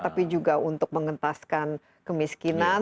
tapi juga untuk mengentaskan kemiskinan